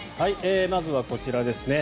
まずはこちらですね。